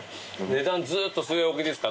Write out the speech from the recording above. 値段ずっと据え置きですか？